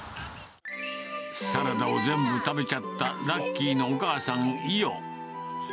サラダを全部食べちゃったラッキーのお母さんのイヨ。